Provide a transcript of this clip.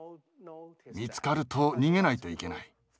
見つかると逃げないといけない。